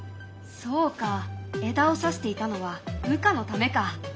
そうか枝をさしていたのは羽化のためか。